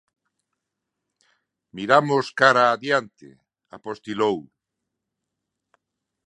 "Miramos cara a adiante", apostilou.